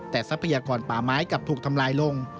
แต่ทรัพยากรป่าไม้กลับถูกทำลายลง